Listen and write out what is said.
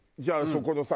そこのさ